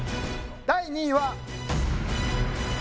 第２位は。